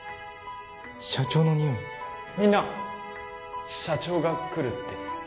社長の匂いみんな社長が来るって